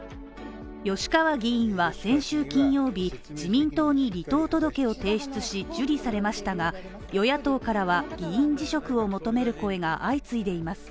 吉川議員は先週金曜日、自民党に離党届を提出し、受理されましたが、与野党からは議員辞職を求める声が相次いでいます。